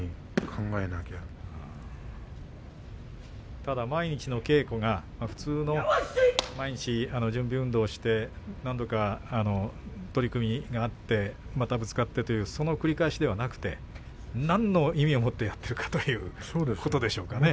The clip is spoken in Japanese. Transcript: ただ毎日の稽古が準備運動をして何度か取組があってまたぶつかってというその繰り返しではなくて何の意味を持ってやっているかということでしょうかね。